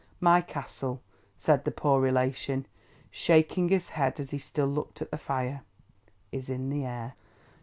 My Castle," said the poor relation, shaking his head as he still looked at the fire, "is in the Air.